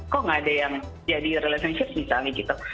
kok nggak ada yang jadi relationship misalnya gitu